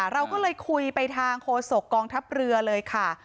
เราก็เลยคุยไปทางโฆษกองทัพเรือเลยค่ะ